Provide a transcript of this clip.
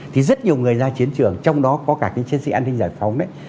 thì rất nhiều người ra chiến trường trong đó có cả cái chiến sĩ an ninh giải phóng đấy